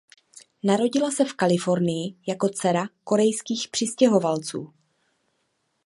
Narodila se v Kalifornii jako dcera korejských přistěhovalců.